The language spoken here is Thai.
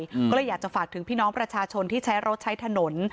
ก็เลยอยากจะฝากถึงพี่น้องประชาชนที่ใช้รถใช้ถนน